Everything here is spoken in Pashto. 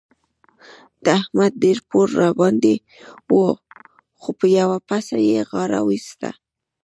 د احمد ډېر پور راباندې وو خو په یوه پسه يې غاړه وېسته.